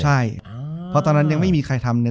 จบการโรงแรมจบการโรงแรม